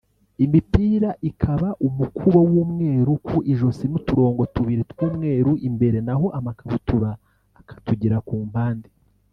imipira ikaba umukubo w’umweru ku ijosi n’uturongo tubiri tw’umweru imbere naho amakabutura akatugira ku mpande